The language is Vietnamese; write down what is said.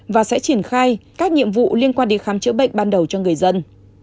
và sẽ triển khai các nhiệm vụ liên quan đến khám chữa bệnh ban đầu cho người dân